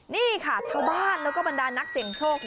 นี่ค่ะชาวบ้านแล้วก็บรรดานักเสี่ยงโชค